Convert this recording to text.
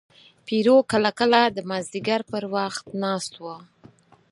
پیرو کله کله د مازدیګر پر وخت ناست و.